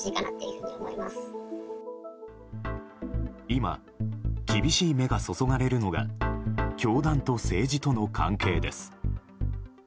今、厳しい目が注がれるのが教団と政治との関係です。